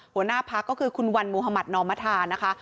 หัวหน้าพักก็คือคุณวันมุธมัธนอมธานะคะ